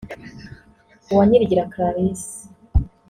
Uwanyirigira Clarisse